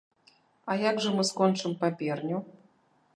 А як жа мы скончым паперню?